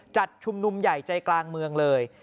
จัดชุมนุมใหญ่ใจกลางเมืองเลย